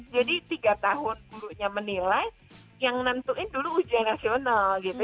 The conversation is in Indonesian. jadi tiga tahun gurunya menilai yang nentuin dulu ujian nasional gitu